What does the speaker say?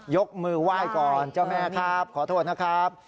ยกมือไหว้ก่อนเจ้าแม่ครับขอโทษนะครับ